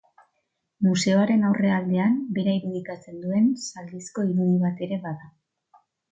Museoaren aurrealdean, bera irudikatzen duen zaldizko irudi bat ere bada.